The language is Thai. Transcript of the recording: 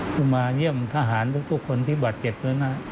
ผู้มาเยี่ยมทหารทุกคนที่บาดเจ็บนั้น